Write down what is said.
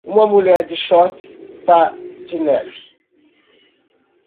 Uma mulher de shorts pá de neve.